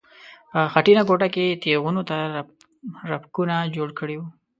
په خټینه کوټه کې یې تیغونو ته رپکونه جوړ کړي وو.